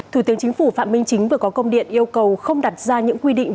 thủ tướng chính phủ phạm minh chính vừa có công điện yêu cầu không đặt ra những quy định